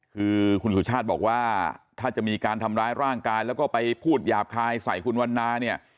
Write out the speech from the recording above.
คือคุณสุชาติบอกว่าถ้าจะมีการทำร้ายร่างกายแล้วก็ไปพูดหยาบคายใส่คุณวันนาเนี่ย